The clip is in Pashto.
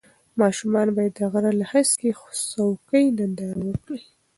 ماشومان باید د غره له هسکې څوکې ننداره وکړي.